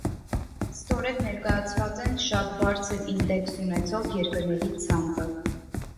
Ստորև ներկայացված են «շատ բարձր» ինդեքս ունեցող երկրների ցանկը։